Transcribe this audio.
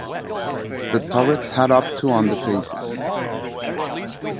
The turrets had up to on the faces.